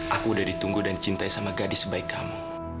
aku udah ditunggu dan cintai sama gadis baik kamu